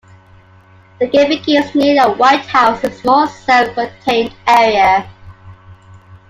The game begins near a white house in a small, self-contained area.